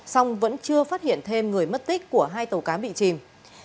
song vẫn chưa phát hiện thêm người mất tích của hai tàu cá bị chìm